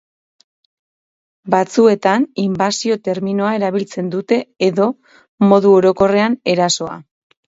Batzuetan inbasio terminoa erabiltzen dute edo, modu orokorrean, erasoa.